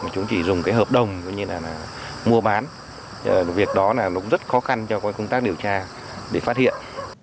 chúng chỉ dùng cái hợp đồng như là mua bán việc đó là nó cũng rất khó khăn cho công tác điều tra để phát hiện